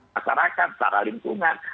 masyarakat secara lingkungan